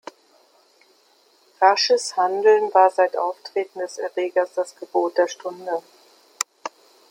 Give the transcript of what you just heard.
Rasches Handeln war seit Auftreten des Erregers das Gebot der Stunde.